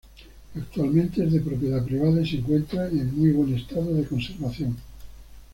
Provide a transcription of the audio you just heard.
Actualmente es de propiedad privada y se encuentra en muy buen estado de conservación.